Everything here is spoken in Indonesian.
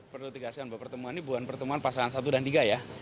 perlu ditegaskan bahwa pertemuan ini bukan pertemuan pasangan satu dan tiga ya